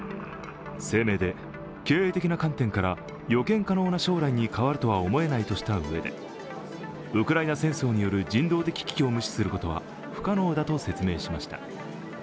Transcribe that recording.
声明で、経営的な観点から予見可能な将来変わるとは思えないとしたうえでウクライナ戦争による人道的危機を無視することは不可能だと説明しました。